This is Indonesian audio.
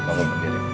pak aku berdiri